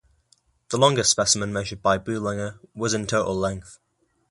The longest specimen measured by Boulenger was in total length.